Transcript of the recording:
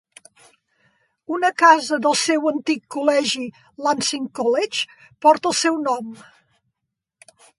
Una casa del seu antic col·legi Lancing College porta el seu nom.